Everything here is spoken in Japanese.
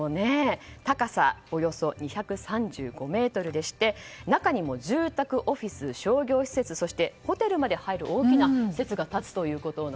高さ、およそ２３５ｍで中にも住宅、オフィス、商業施設そしてホテルまで入る大きな施設が立つということです。